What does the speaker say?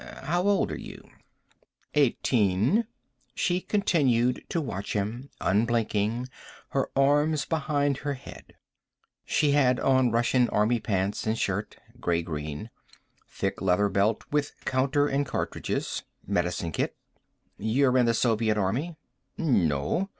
How old are you?" "Eighteen." She continued to watch him, unblinking, her arms behind her head. She had on Russian army pants and shirt. Gray green. Thick leather belt with counter and cartridges. Medicine kit. "You're in the Soviet army?" "No."